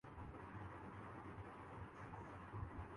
جو بچے ہیں سنگ سمیٹ لو تن داغ داغ لٹا دیا